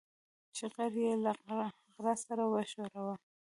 چې غر يې له غره سره وښوراوه.